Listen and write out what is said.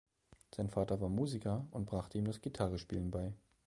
Sein Vater war Musiker und brachte ihm das Gitarre spielen bei.